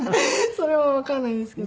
それはわからないですけど。